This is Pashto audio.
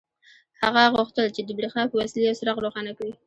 هغه غوښتل چې د برېښنا په وسیله یو څراغ روښانه کړي